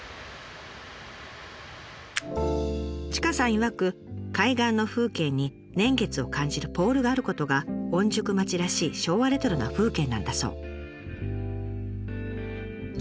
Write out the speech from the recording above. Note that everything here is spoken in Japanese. いわく海岸の風景に年月を感じるポールがあることが御宿町らしい昭和レトロな風景なんだそう。